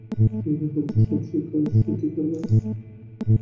পরিবার হচ্ছে সব শিক্ষার সূতিকাগার।